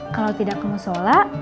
kalau tidak kamu sholat